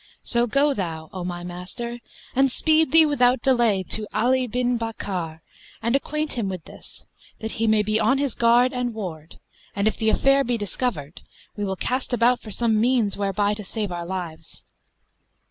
So go thou, O my master, and speed thee without delay to Ali bin Bakkar; and acquaint him with this, that he may be on his guard and ward; and, if the affair be discovered, we will cast about for some means whereby to save our lives.'